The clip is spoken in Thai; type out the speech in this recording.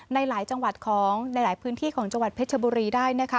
ในหลายพื้นที่ของจังหวัดเพชรบุรีได้